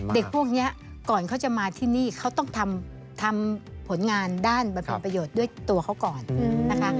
เด็กพวกนี้ก่อนเขาจะมาที่นี่เขาต้องทำผลงานด้านบำเพ็ญประโยชน์ด้วยตัวเขาก่อนนะคะ